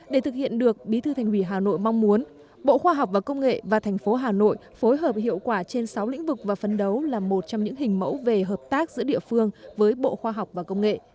để thực hiện được bí thư thành ủy hà nội mong muốn bộ khoa học và công nghệ và thành phố hà nội phối hợp hiệu quả trên sáu lĩnh vực và phấn đấu là một trong những hình mẫu về hợp tác giữa địa phương với bộ khoa học và công nghệ